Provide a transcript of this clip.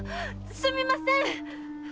すみません！